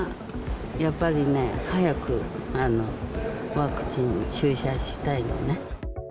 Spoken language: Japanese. やっぱりね、早くワクチン注射したいのね。